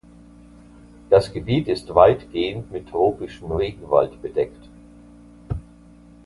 Das Gebiet ist weitgehend mit tropischem Regenwald bedeckt.